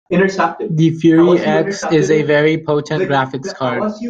The Fury X is a very potent graphics card.